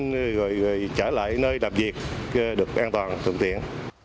rồi là vui chừng trở lại nơi đạp việc được an toàn thường tiện